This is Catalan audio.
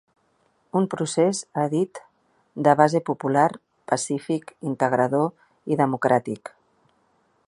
Un procés, ha dit, de base popular, pacífic, integrador i democràtic.